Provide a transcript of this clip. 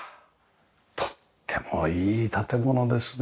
とってもいい建物ですね。